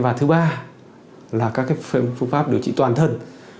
và thứ ba là các phương pháp điều trị toàn thân